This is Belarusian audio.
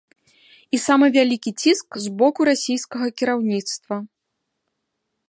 І самы вялікі ціск з боку расійскага кіраўніцтва.